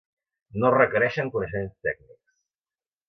No es requereixen coneixements tècnics.